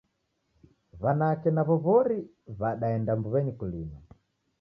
W'anake naw'o w'ori w'adaenda mbuw'enyi kulima.